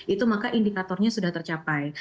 itu maka indikatornya sudah tercapai